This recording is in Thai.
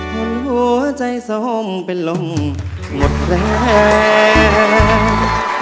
คนดูว่าใจทรมเป็นลมหมดแรง